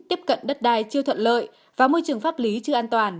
tiếp cận đất đai chưa thuận lợi và môi trường pháp lý chưa an toàn